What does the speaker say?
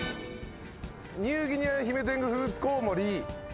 ニューギニアヒメテングフルーツコウモリ。